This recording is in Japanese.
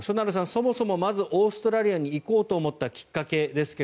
そもそも、まずオーストラリアに行こうと思ったきっかけですが。